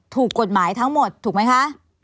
ถูกกฎหมายทั้งหมดถูกไหมคะ